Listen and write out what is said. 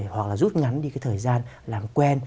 hoặc là rút ngắn đi cái thời gian làm quen